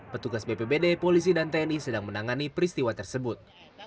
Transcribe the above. petugas bpbd polisi dan tni sedang menangani peristiwa tersebut